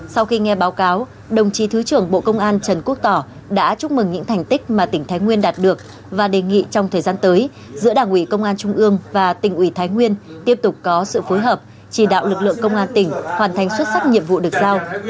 sau khi nghe báo cáo đồng chí thứ trưởng bộ công an trần quốc tỏ đã chúc mừng những thành tích mà tỉnh thái nguyên đạt được và đề nghị trong thời gian tới giữa đảng ủy công an trung ương và tỉnh ủy thái nguyên tiếp tục có sự phối hợp chỉ đạo lực lượng công an tỉnh hoàn thành xuất sắc nhiệm vụ được giao